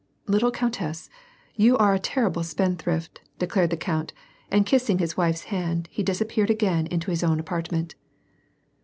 " Little countess, you are a terrible spendthrift," declared the count, and kissing his wife's hand he disappeared again into his own apartment.